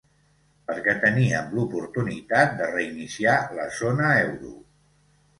Perquè teníem l’oportunitat de reiniciar la zona euro.